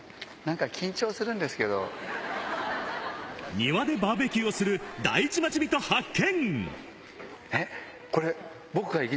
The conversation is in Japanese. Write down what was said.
庭でバーベキューをする第一町人発見！